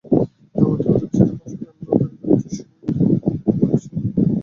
তাঁবুতে ওরা যে রকম স্বাধীনভাবে রয়েছে, শুনলে তোমরা বিস্মিত হবে।